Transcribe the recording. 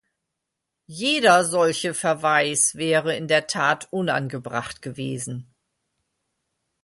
Jeder solche Verweis wäre in der Tat unangebracht gewesen.